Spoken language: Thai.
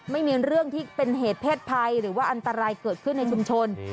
ไม่มีเรื่องที่เป็นเหตุเพศภัยหรือว่าอันตรายเกิดขึ้นในชุมชน